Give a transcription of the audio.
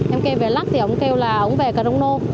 em kêu về lắk thì ông kêu là ông về cà rông nô